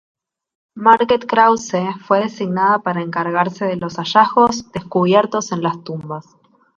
Marquet-Krause fue designada para encargarse de los hallazgos descubiertos en las tumbas.